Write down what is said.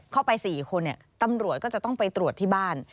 เข้าไป๔คนตำรวจก็จะต้องไปตรวจที่บ้าน